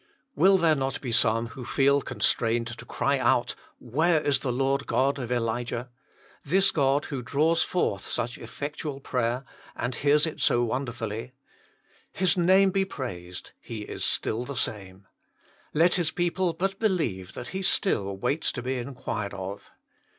Will there not be some who feel constrained to cry out, "Where is the Lord God of Elijah ?" this God who draws BECAUSE OF HIS IMPORTUNITY 53 forth such effectual prayer, and hears it so wonder fully. His name be praised : He is still the same. Let His people but believe that He still waits to be inquired of